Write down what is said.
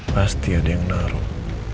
pasti ada yang naruh